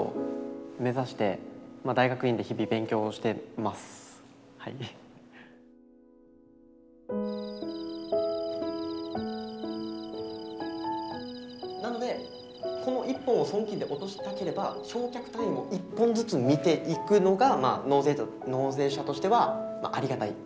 今はなのでこの１本を損金で落としたければ償却単位を１本ずつ見ていくのが納税者としてはありがたい。